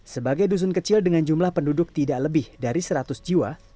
sebagai dusun kecil dengan jumlah penduduk tidak lebih dari seratus jiwa